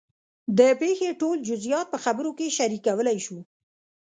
د پېښې ټول جزیات په خبرو کې شریکولی شو.